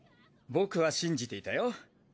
僕は信じていたよ。